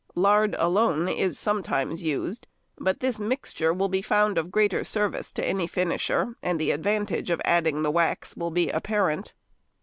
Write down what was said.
Lard alone is sometimes used, but this mixture will be found of greater service to any finisher, and the advantage of adding the wax will be apparent.